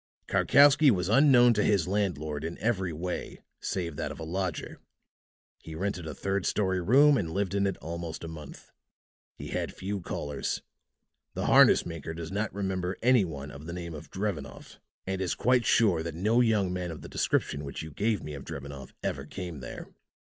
Karkowsky was unknown to his landlord in every way, save that of a lodger. He rented a third story room and lived in it almost a month. He had few callers. The harness maker does not remember any one of the name of Drevenoff, and is quite sure that no young man of the description which you gave me of Drevenoff ever came there.